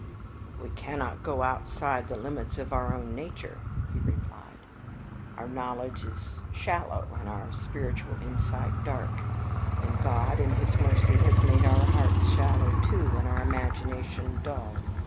"We cannot go outside the limits of our own nature," he replied; "our knowledge is shallow and our spiritual insight dark, and God in His mercy has made our hearts shallow too, and our imagination dull.